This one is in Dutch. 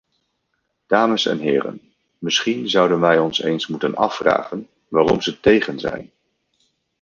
Dames en heren, misschien zouden wij ons eens moeten afvragen waarom ze tegen zijn.